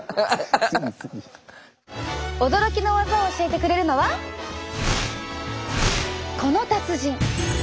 驚きの技を教えてくれるのはこの達人。